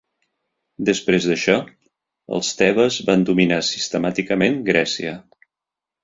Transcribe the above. Després d'això, els Tebes van dominar sistemàticament Grècia.